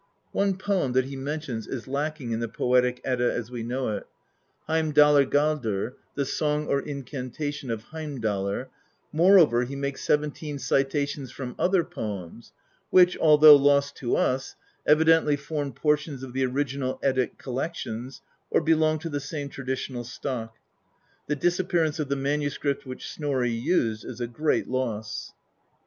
One poem that he mentions is lacking in the Poetic Edda as we know it : Heimdallargaldr^ the Song or Incantation of Heimdallr; moreover, he makes seventeen citations from other poems which, although lost to us, evi dently formed portions of the original Eddie collections, or belonged to the same traditional stock. The disappearance of the manuscript which Snorri used is a great loss.